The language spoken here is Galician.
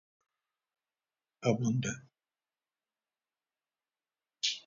Abonda.